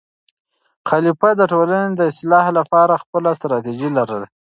هر خلیفه د ټولنې د اصلاح لپاره خپله ستراتیژي لرله.